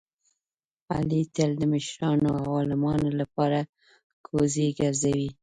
علي تل د مشرانو او عالمانو لپاره کوزې ګرځوي.